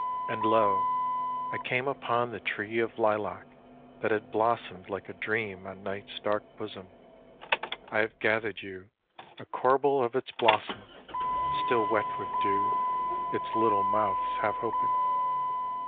And lo ! I came upon the tree of lilac, That had blossomed like a dream on night's dark bosom. I have gathered you a corbel of its blossom, Still wet with dew, its little mouths half open.